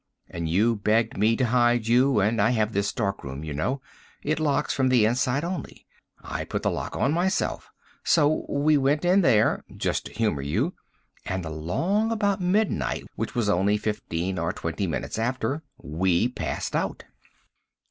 And you begged me to hide you and I have this darkroom, you know. It locks from the inside only. I put the lock on myself. So we went in there just to humor you and along about midnight, which was only fifteen or twenty minutes after, we passed out."